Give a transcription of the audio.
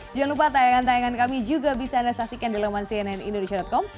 jangan lupa tayangan tayangan kami juga bisa anda saksikan di laman cnnindonesia com